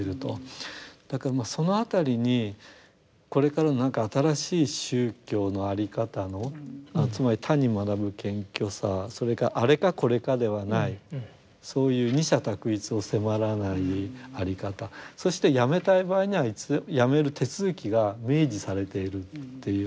だからまあその辺りにこれからの何か新しい宗教の在り方のつまり他に学ぶ謙虚さそれからあれかこれかではないそういう二者択一を迫らない在り方そしてやめたい場合にはやめる手続きが明示されているっていう